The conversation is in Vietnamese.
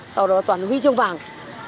sau đó toàn huy chương vàng